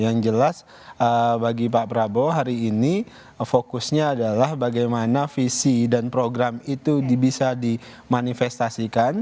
yang jelas bagi pak prabowo hari ini fokusnya adalah bagaimana visi dan program itu bisa dimanifestasikan